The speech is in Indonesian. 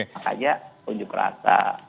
makanya punjuk rasa